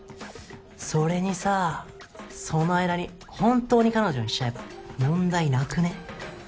それにさぁその間に本当に彼女にしちゃえば問題なくね？